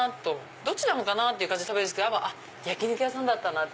どっちかな？っていう感じで食べるけど焼き肉屋さんだったなって！